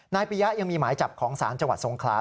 ปียะยังมีหมายจับของศาลจังหวัดสงขลา